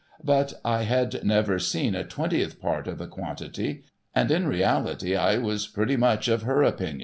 But I had never seen a twentieth part of the quantity, and, in reality, I was pretty much of her opinion.